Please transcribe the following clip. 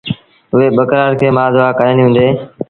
اُئي ٻڪرآڙ کي مآ دئآ ڪيآنديٚ هُݩدي۔